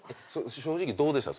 正直どうでした？